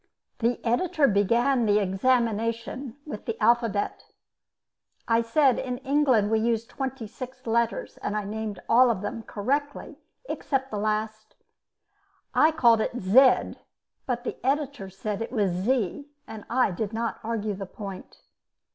The editor began the examination with the alphabet. I said in England we used twenty six letters, and I named all of them correctly except the last. I called it "zed," but the editor said it was "zee," and I did not argue the point.